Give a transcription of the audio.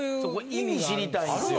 意味知りたいんですよ。